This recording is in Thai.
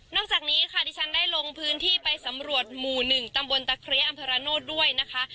นอกจากนี้ค่ะที่ฉันได้ลงพื้นที่ไปสำรวจหมู่๑ตำบลตะเคลียอัมพาราโน่ด้วยนะคะ